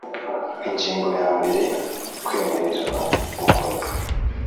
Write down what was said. Ingingo ya mbere Kwemererwa gukora